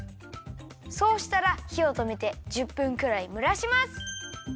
そうしたらひをとめて１０分くらいむらします。